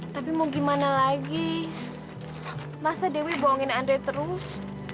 tapi mau gimana lagi masa dewi bohongin andre terus